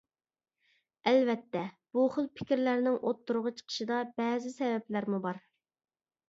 ئەلۋەتتە، بۇ خىل پىكىرلەرنىڭ ئوتتۇرىغا چىقىشىدا بەزى سەۋەبلەرمۇ بار.